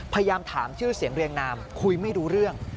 พยายามถามชื่อเสียงเรียงนามคุยไม่รู้เรื่อง